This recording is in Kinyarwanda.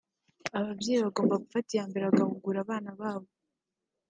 Ababyeyi bagomba gufata iyambere bagahugura abana babo